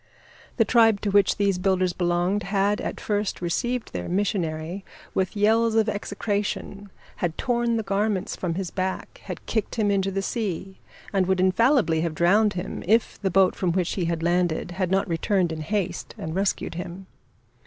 The tribe to which these builders belonged had at first received their missionary with yells of execration, had torn the garments from his back, had kicked him into the sea and would infallibly have drowned him if the boat from which he landed had not returned in haste and rescued him.